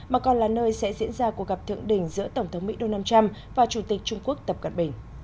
mà còn là nơi sẽ diễn ra cuộc gặp thượng đỉnh giữa tổng thống mỹ donald trump và chủ tịch trung quốc tập cận bình